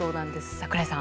櫻井さん。